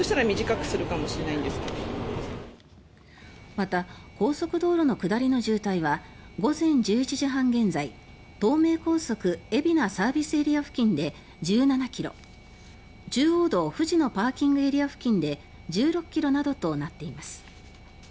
また、高速道路の下りの渋滞は午前１１時半現在東名高速海老名ＳＡ付近で１７ｋｍ中央道藤野ＰＡ付近で１６ｋｍなどとなっています。